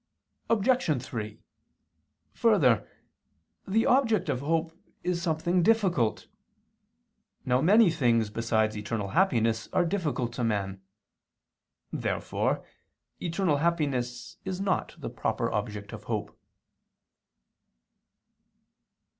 Obj. 3: Further, the object of hope is something difficult. Now many things besides eternal happiness are difficult to man. Therefore eternal happiness is not the proper object of hope.